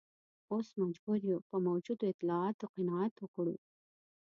اوس مجبور یو په موجودو اطلاعاتو قناعت وکړو.